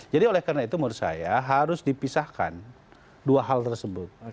jadi oleh karena itu menurut saya harus dipisahkan dua hal tersebut